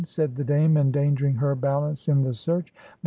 said the Dame, endangering her balance in the search.